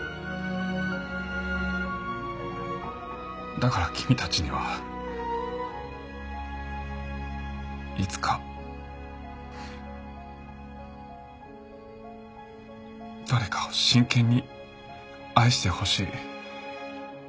だから君たちにはいつか誰かを真剣に愛してほしい。